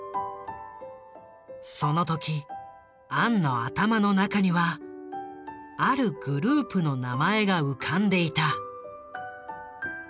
その時アンの頭の中にはあるグループの名前が浮かんでいた。